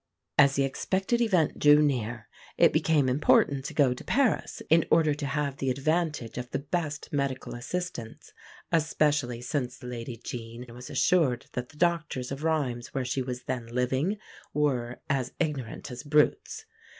As the expected event drew near it became important to go to Paris in order to have the advantage of the best medical assistance, especially since Lady Jean was assured that the doctors of Rheims, where she was then living, were "as ignorant as brutes."